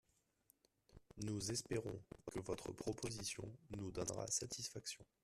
Nous espérons que votre proposition nous donnera satisfaction.